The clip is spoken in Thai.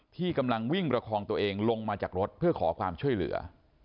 ที่กำลังวิ่งประคองตัวเองลงมาจากรถเพื่อขอความช่วยเหลือ